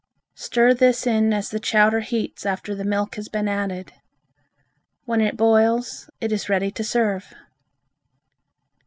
Stir this in as the chowder heats after the milk has been added. When it boils, it is ready to serve.